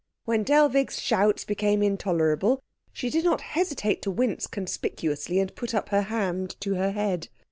When Dellwig's shouts became intolerable, she did not hesitate to wince conspicuously and to put up her hand to her head.